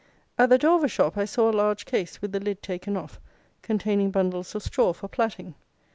At the door of a shop I saw a large case, with the lid taken off, containing bundles of straw for platting.